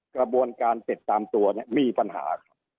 กระบวนการติดตามตัวเนี่ยมีปัญหาครับ